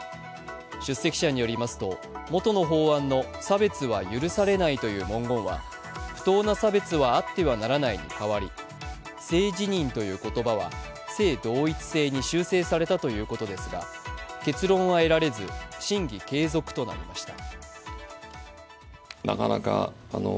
出席者によりますと元の法案の、差別は許されないという文言は、不当な差別はあってはならないに変わり性自認という言葉は性同一性に修正されたということですが結論は得られず、審議継続となりました。